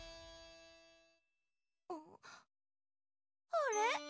あれ？